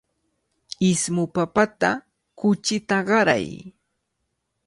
Ismu papata kuchita qaray.